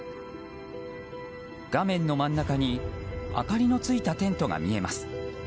画面の真ん中に明かりのついたテントが見えます。